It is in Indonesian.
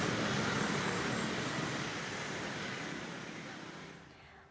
ketika kemas kota kemas kota ini rusak berat akibat kebaran api